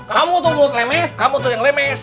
kamu tuh mulut lemes